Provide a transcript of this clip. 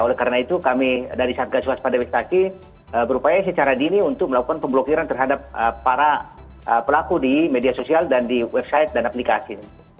oleh karena itu kami dari satgas waspadawistasi berupaya secara dini untuk melakukan pemblokiran terhadap para pelaku di media sosial dan di website dan aplikasi